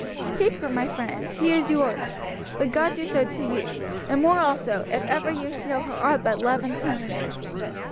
Take her, my friend, she is yours. But God do so to you, and more also, if ever you show her aught but love and tenderness."